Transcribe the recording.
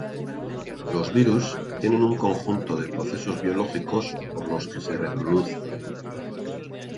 Los virus tienen un conjunto de procesos biológicos por los que se reproducen.